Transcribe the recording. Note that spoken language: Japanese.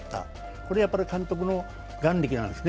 これやっぱり監督の眼力なんですね。